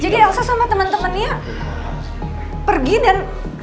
jadi elsa sama temen temennya pergi dan